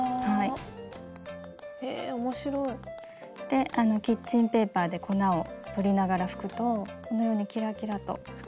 でキッチンペーパーで粉を取りながら拭くとこのようにキラキラと輝きます。